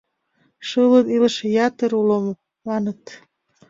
Шылын илыше ятыр уло, маныт.